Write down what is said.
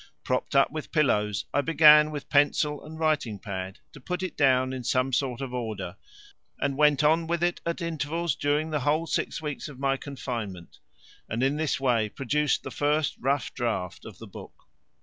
Propped up with pillows I began with pencil and writing pad to put it down in some sort of order, and went on with it at intervals during the whole six weeks of my confinement, and in this way produced the first rough draft of the book.